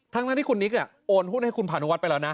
ทั้งที่คุณนิกโอนหุ้นให้คุณพานุวัฒไปแล้วนะ